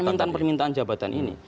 permintaan permintaan jabatan ini